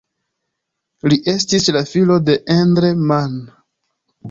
Li estis la filo de Endre Mann.